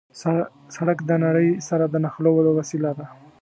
سړک د نړۍ سره د نښلولو وسیله ده.